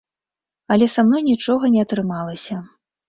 Але са мной нічога не атрымалася.